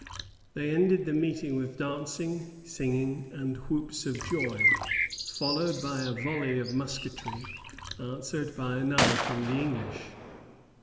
They ended the meeting with dancing, singing, and whoops of joy, followed by a volley of musketry, answered by another from the English.